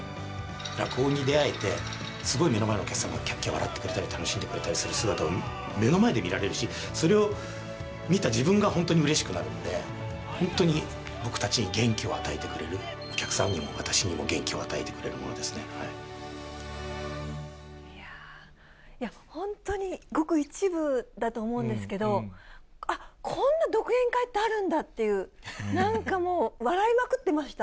落語に出会えて、すごい目の前のお客さんがきゃっきゃっ笑ってくれたり、楽しんでくれたりする姿を目の前で見られるし、それを見た自分が、本当にうれしくなるんで、本当に、僕たちに元気を与えてくれる、お客さんにも、私にも、いや、本当にごく一部だと思うんですけども、あっ、こんな独演会ってあるんだっていう、なんかもう、笑いまくってました。